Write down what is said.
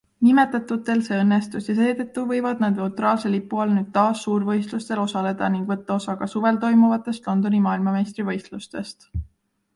Nimetatutel see õnnestus ja seetõttu võivad nad neutraalse lipu all nüüd taas suurvõistlustel osaleda ning võtta osa ka suvel toimuvatest Londoni maailmameistrivõistlustest.